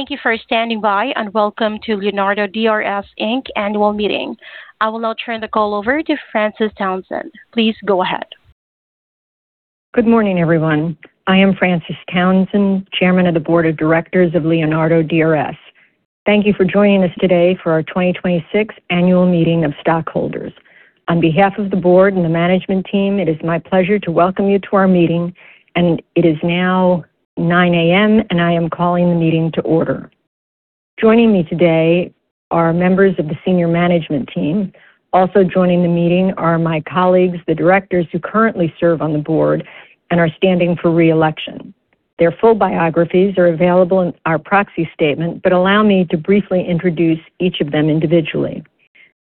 Thank you for standing by, and welcome to Leonardo DRS, Inc. annual meeting. I will now turn the call over to Frances Townsend. Please go ahead. Good morning, everyone. I am Frances Townsend, Chairman of the Board of Directors of Leonardo DRS. Thank you for joining us today for our 2026 annual meeting of stockholders. On behalf of the board and the management team, it is my pleasure to welcome you to our meeting. It is now 9:00 A.M., and I am calling the meeting to order. Joining me today are members of the senior management team. Also joining the meeting are my colleagues, the directors who currently serve on the board and are standing for re-election. Their full biographies are available in our proxy statement, but allow me to briefly introduce each of them individually.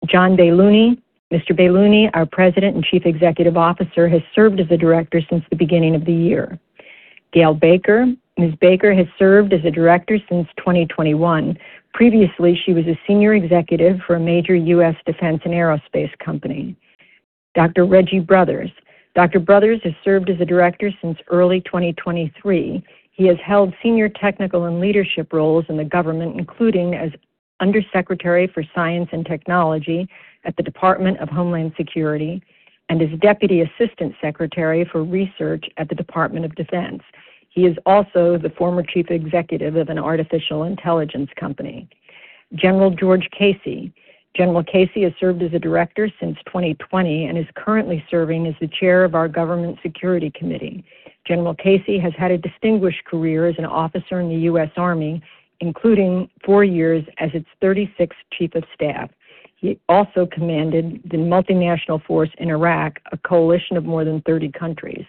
John Baylouny. Mr. Baylouny, our President and Chief Executive Officer, has served as a director since the beginning of the year. Gail Baker. Ms. Baker has served as a director since 2021. Previously, she was a senior executive for a major U.S. defense and aerospace company. Dr. Reggie Brothers. Dr. Brothers has served as a Director since early 2023. He has held senior technical and leadership roles in the government, including as Under Secretary for Science and Technology at the Department of Homeland Security and as Deputy Assistant Secretary for Research at the Department of Defense. He is also the former Chief Executive of an artificial intelligence company. General George W. Casey, Jr. General Casey has served as a Director since 2020 and is currently serving as the Chair of our Government Security Committee. General Casey has had a distinguished career as an officer in the U.S. Army, including four years as its 36th Chief of Staff. He also commanded the multinational force in Iraq, a coalition of more than 30 countries.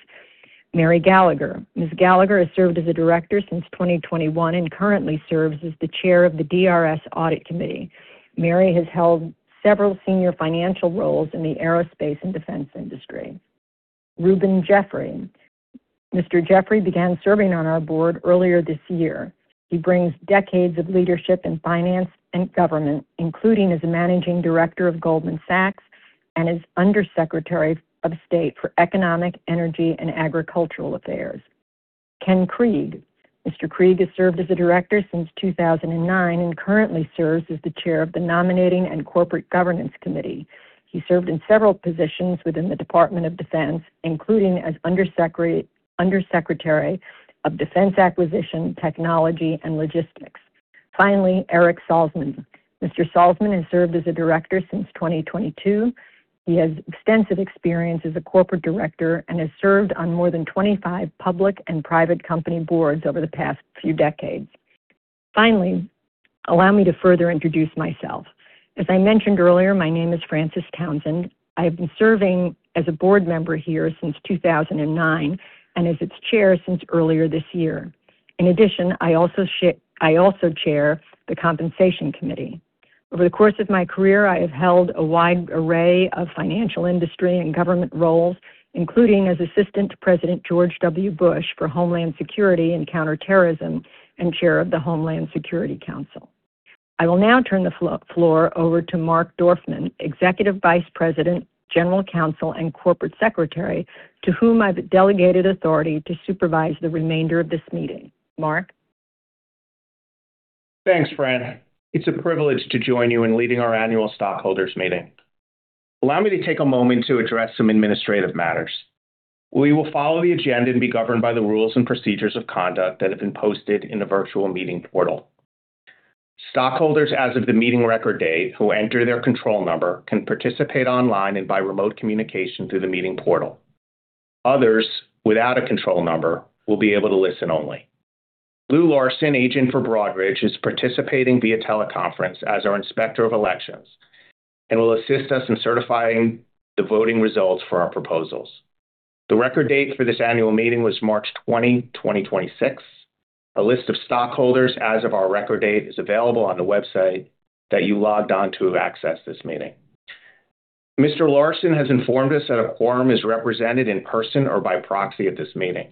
Mary E. Gallagher. Ms. Gallagher has served as a Director since 2021 and currently serves as the Chair of the DRS Audit Committee. Mary has held several senior financial roles in the aerospace and defense industry. Reuben Jeffery. Mr. Jeffery began serving on our board earlier this year. He brings decades of leadership in finance and government, including as a Managing Director of Goldman Sachs and as Under Secretary of State for Economic, Energy, and Agricultural Affairs. Ken Krieg. Mr. Krieg has served as a Director since 2009 and currently serves as the Chair of the Nominating and Corporate Governance Committee. He served in several positions within the Department of Defense, including as Under Secretary of Defense Acquisition, Technology, and Logistics. Finally, Eric Salzman. Mr. Salzman has served as a Director since 2022. He has extensive experience as a corporate director and has served on more than 25 public and private company boards over the past few decades. Finally, allow me to further introduce myself. As I mentioned earlier, my name is Frances Townsend. I have been serving as a board member here since 2009 and as its Chair since earlier this year. In addition, I also chair the Compensation Committee. Over the course of my career, I have held a wide array of financial industry and government roles, including as Assistant to President George W. Bush for Homeland Security and Counterterrorism and Chair of the Homeland Security Council. I will now turn the floor over to Mark Dorfman, Executive Vice President, General Counsel, and Corporate Secretary, to whom I've delegated authority to supervise the remainder of this meeting. Mark. Thanks, Fran. It's a privilege to join you in leading our annual stockholders meeting. Allow me to take a moment to address some administrative matters. We will follow the agenda and be governed by the rules and procedures of conduct that have been posted in the virtual meeting portal. Stockholders as of the meeting record date who enter their control number can participate online and by remote communication through the meeting portal. Others without a control number will be able to listen only. Lou Larsen, agent for Broadridge, is participating via teleconference as our Inspector of Elections and will assist us in certifying the voting results for our proposals. The record date for this annual meeting was March 20, 2026. A list of stockholders as of our record date is available on the website that you logged on to have accessed this meeting. Mr. Larsen has informed us that a quorum is represented in person or by proxy at this meeting.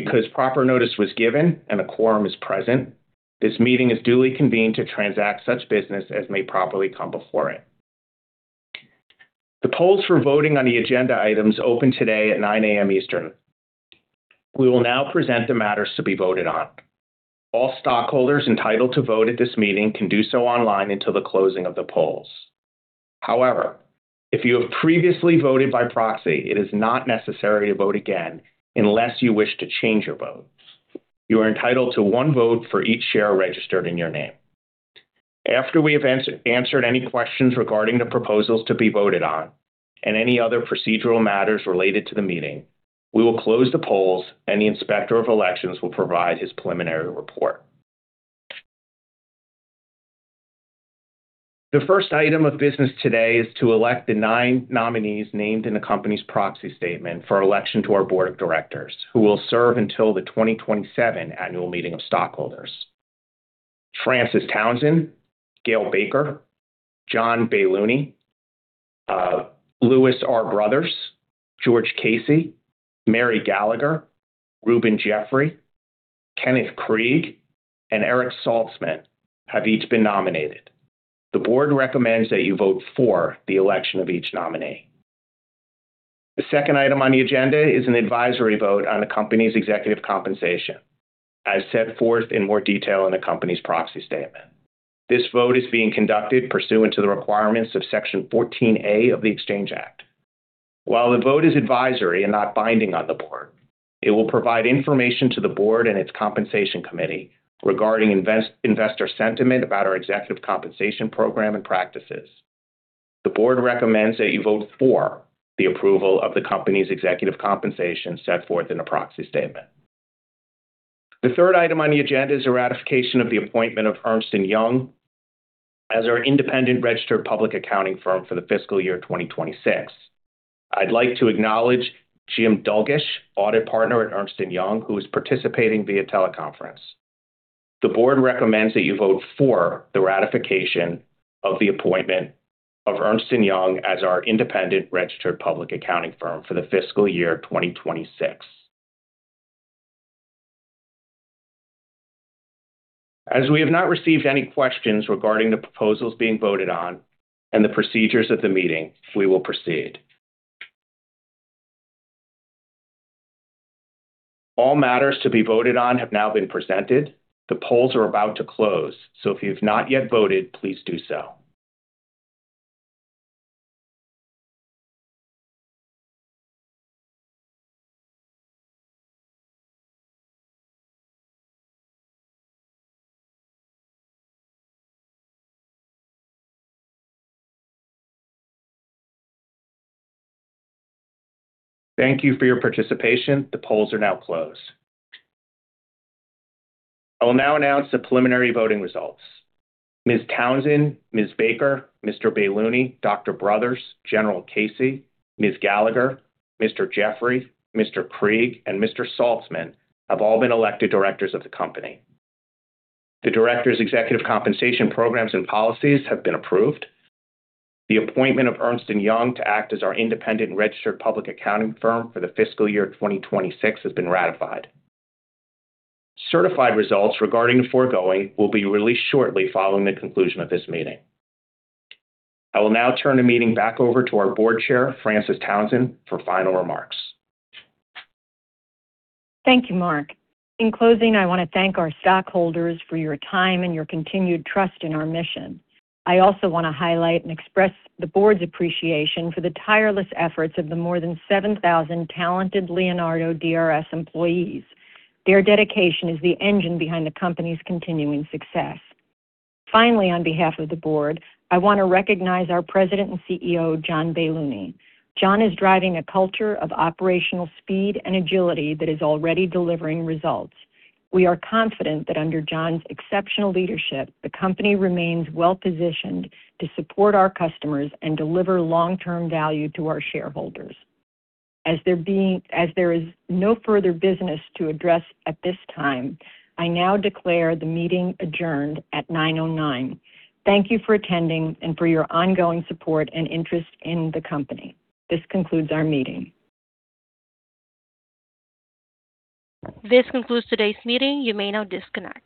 Because proper notice was given and a quorum is present, this meeting is duly convened to transact such business as may properly come before it. The polls for voting on the agenda items open today at 9:00 A.M. Eastern. We will now present the matters to be voted on. All stockholders entitled to vote at this meeting can do so online until the closing of the polls. However, if you have previously voted by proxy, it is not necessary to vote again unless you wish to change your vote. You are entitled to 1 vote for each share registered in your name. After we have answered any questions regarding the proposals to be voted on and any other procedural matters related to the meeting, we will close the polls, and the Inspector of Elections will provide his preliminary report. The first item of business today is to elect the nine nominees named in the company's proxy statement for election to our Board of Directors, who will serve until the 2027 annual meeting of stockholders. Frances Townsend, Gail Baker, John Baylouny, Louis R. Brothers, George Casey, Mary Gallagher, Reuben Jeffery, Kenneth Krieg, and Eric Salzman have each been nominated. The Board recommends that you vote for the election of each nominee. The second item on the agenda is an advisory vote on the company's executive compensation, as set forth in more detail in the company's proxy statement. This vote is being conducted pursuant to the requirements of Section 14A of the Exchange Act. While the vote is advisory and not binding on the board, it will provide information to the board and its Compensation Committee regarding investor sentiment about our executive compensation program and practices. The board recommends that you vote for the approval of the company's executive compensation set forth in the proxy statement. The third item on the agenda is a ratification of the appointment of Ernst & Young as our independent registered public accounting firm for the fiscal year 2026. I'd like to acknowledge Jim Dlugasch, audit partner at Ernst & Young, who is participating via teleconference. The board recommends that you vote for the ratification of the appointment of Ernst & Young as our independent registered public accounting firm for the fiscal year 2026. As we have not received any questions regarding the proposals being voted on and the procedures of the meeting, we will proceed. All matters to be voted on have now been presented. The polls are about to close, so if you've not yet voted, please do so. Thank you for your participation. The polls are now closed. I will now announce the preliminary voting results. Ms. Townsend, Ms. Baker, Mr. Baylouny, Dr. Brothers, General Casey, Ms. Gallagher, Mr. Jeffery, Mr. Krieg, and Mr. Salzman have all been elected directors of the company. The director's executive compensation programs and policies have been approved. The appointment of Ernst & Young to act as our independent registered public accounting firm for the fiscal year 2026 has been ratified. Certified results regarding the foregoing will be released shortly following the conclusion of this meeting. I will now turn the meeting back over to our Board Chair, Frances Townsend, for final remarks. Thank you, Mark. In closing, I want to thank our stockholders for your time and your continued trust in our mission. I also want to highlight and express the board's appreciation for the tireless efforts of the more than 7,000 talented Leonardo DRS employees. Their dedication is the engine behind the company's continuing success. Finally, on behalf of the board, I want to recognize our President and CEO, John Baylouny. John is driving a culture of operational speed and agility that is already delivering results. We are confident that under John's exceptional leadership, the company remains well-positioned to support our customers and deliver long-term value to our shareholders. As there is no further business to address at this time, I now declare the meeting adjourned at 9:09 A.M. Thank you for attending and for your ongoing support and interest in the company. This concludes our meeting. This concludes today's meeting. You may now disconnect.